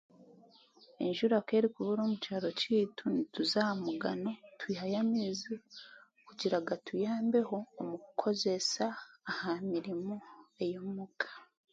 Enjura ku erikubura omu kyaro kyaitu nituza aha mugano, twihayo amaizi kugira gatuyambeho omu kukozeesa aha mirimo ey'omuka.